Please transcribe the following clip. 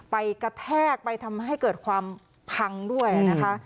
กระแทกไปทำให้เกิดความพังด้วยนะคะ